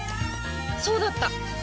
そうだった！